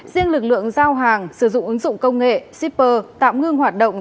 riêng lực lượng giao hàng sử dụng ứng dụng công nghệ shipper tạm ngưng hoạt động